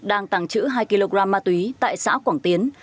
đang tàng trữ hai kg ma túy tại xã quảng tiến